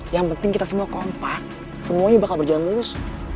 yang penting kita semua kompak semuanya bakal berjalan mulus